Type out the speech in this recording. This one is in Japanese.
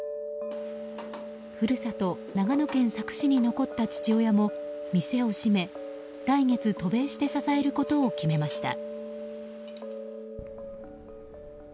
故郷・長野県佐久市に残った父親も店を閉め、来月渡米して支えることを決めました。